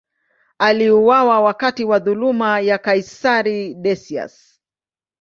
Aliuawa wakati wa dhuluma ya kaisari Decius.